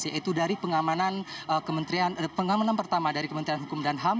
yaitu dari pengamanan pengamanan pertama dari kementerian hukum dan ham